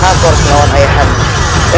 aku harus melawan ayah kami